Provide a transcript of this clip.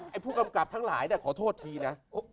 ผู้กำกับทั้งหลายขอโทษทีนะ